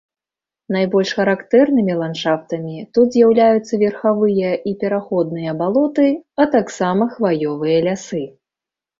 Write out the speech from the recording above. Найбольш характэрнымі ландшафтамі тут з'яўляюцца верхавыя і пераходныя балоты, а таксама хваёвыя лясы.